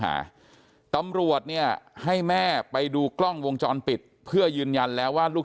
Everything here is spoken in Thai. หาตำรวจเนี่ยให้แม่ไปดูกล้องวงจรปิดเพื่อยืนยันแล้วว่าลูก